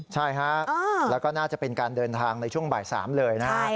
ใช่ฮะแล้วก็น่าจะเป็นการเดินทางในช่วงบ่าย๓เลยนะครับ